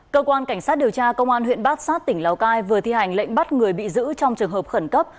cơ quan cảnh sát điều tra công an huyện bát sát tỉnh lào cai vừa thi hành lệnh bắt người bị giữ trong trường hợp khẩn cấp